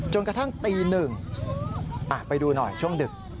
กระทั่งตีหนึ่งไปดูหน่อยช่วงดึก